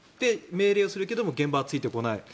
命令をするけれども現場はついてこない。